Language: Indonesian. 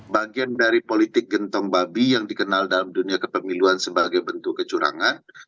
bagian dari politik gentong babi yang dikenal dalam dunia kepemiluan sebagai bentuk kecurangan